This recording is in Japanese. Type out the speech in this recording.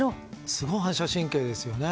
すごい反射神経ですよね。